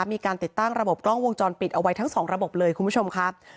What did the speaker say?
มีการติดตั้งระบบกล้องวงจรปิดเอาไว้ทั้งสองระบบเลยคุณผู้ชมครับ